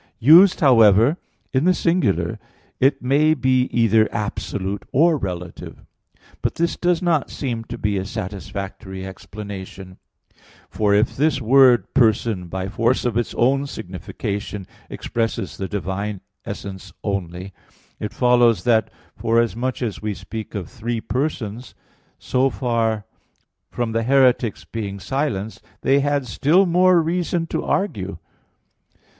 Used, however, in the singular, it may be either absolute or relative. But this does not seem to be a satisfactory explanation; for, if this word "person," by force of its own signification, expresses the divine essence only, it follows that forasmuch as we speak of "three persons," so far from the heretics being silenced, they had still more reason to argue.